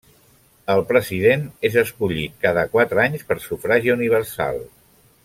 El president és escollit cada quatre anys per sufragi universal.